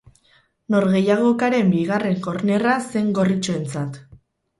Norgehiagokaren bigarren kornerra zen gorritxoentzat.